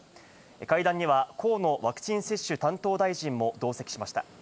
会談には河野ワクチン接種担当大臣も同席しました。